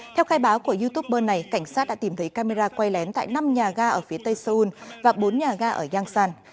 theo khai báo của youtuber này cảnh sát đã tìm thấy camera quay lén tại năm nhà ga ở phía tây seoul và bốn nhà ga ở yangsan